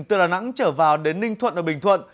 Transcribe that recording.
từ đà nẵng trở vào đến ninh thuận và bình thuận